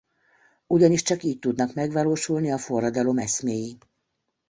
Ugyanis csak így tudnak megvalósulni a forradalom eszméi.